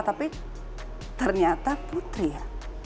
tapi ternyata putri ya